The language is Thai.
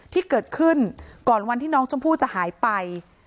ที่เกิดขึ้นก่อนวันที่น้องชมพู่จะหายไป